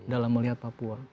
dalam melihat papua